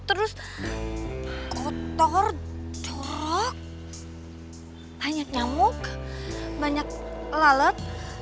terus kotor dorok banyak nyamuk banyak lalat